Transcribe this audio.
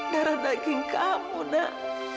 darah daging kamu nak